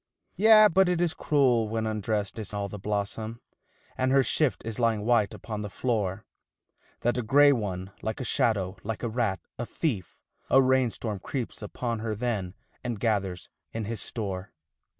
Yea, but it is cruel when undressed is all the blossom, And her shift is lying white upon the floor, That a grey one, like a shadow, like a rat, a thief, a rain storm Creeps upon her then and gathers in his store.